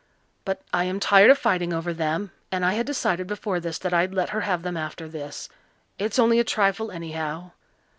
But I am tired of fighting over them and I had decided before this that I'd let her have them after this. It's only a trifle, anyhow.